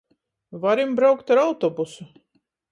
Varim braukt ar autobusu.